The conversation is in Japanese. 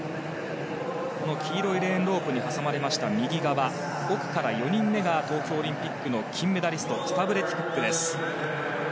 黄色いレーンロープに挟まれました右側東京オリンピックの金メダリストスタブルティ・クックです。